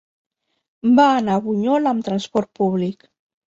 Va anar a Bunyol amb transport públic.